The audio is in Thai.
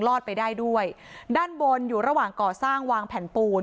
อดไปได้ด้วยด้านบนอยู่ระหว่างก่อสร้างวางแผ่นปูน